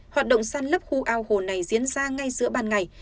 hoạt động săn lấp khu ao hồ này diễn ra ngay giữa ban ngày